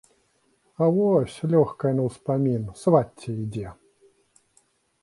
А вось, лёгкая на ўспамін, свацця ідзе.